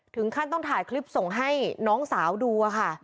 ถึงขั้นต้องถ่ายคลิปส่งให้น้องสาวดูค่ะ